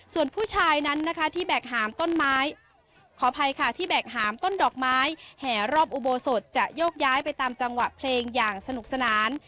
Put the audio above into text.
ส่วนผู้ชายนั้นนะคะที่แบกหามต้นดอกไม้แห่รอบอุโบสดจะโยกย้ายไปตามจังหวะเพลงอย่างสนุกสนาน